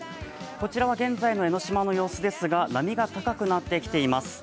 こちらは現在の江の島の様子ですが、波が高くなってきています。